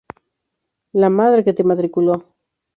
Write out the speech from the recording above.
¡La madre que te matriculó!